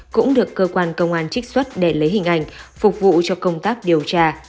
cũng được cơ quan công an trích xuất để lấy hình ảnh phục vụ cho công tác điều tra